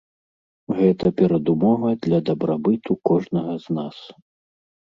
Гэта перадумова для дабрабыту кожнага з нас.